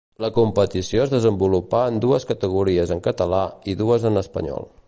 La competició es desenvolupà en dues categories en català i dues en espanyol.